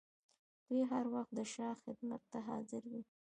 دوی هر وخت د شاه خدمت ته حاضر دي.